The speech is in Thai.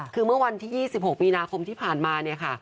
คือเมื่อวันที่๒๖มีนาคมที่ผ่านมาเนี่ยค่ะ